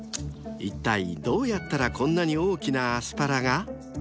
［いったいどうやったらこんなに大きなアスパラが？］